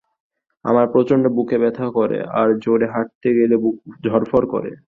আমার প্রচন্ড বুকে ব্যথা করে আর জোরে হাঁটতে গেলে বুক ধরফর করে।